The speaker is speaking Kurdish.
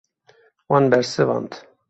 Wan bersivand.